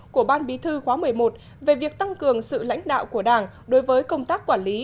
của ban bí thư khóa một mươi một về việc tăng cường sự lãnh đạo của đảng đối với công tác quản lý